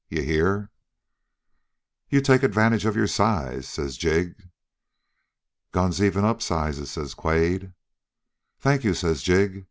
You hear?' "'You take advantage of your size,' says Jig. "'Guns even up sizes,' says Quade. "'Thank you,' says Jig.